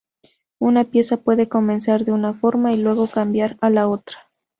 Una pieza puede comenzar de una forma y luego cambiar a la otra.